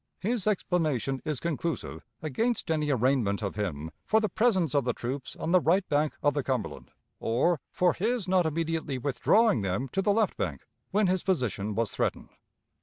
His explanation is conclusive against any arraignment of him for the presence of the troops on the right bank of the Cumberland, or for his not immediately withdrawing them to the left bank when his position was threatened.